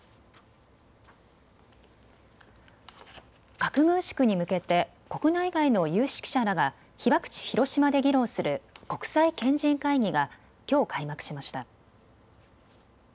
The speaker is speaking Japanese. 核軍縮に向けて国内外の有識者らが被爆地広島で議論する国際賢人会議がきょう、開幕しました。